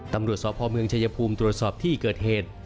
ตำรวจสพเมืองชายภูมิตรวจสอบที่เกิดเหตุ